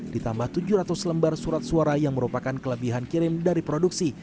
ditambah tujuh ratus lembar surat suara yang merupakan kelebihan kirim dari produksi